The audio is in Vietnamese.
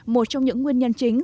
một trong những nguyên nhân chính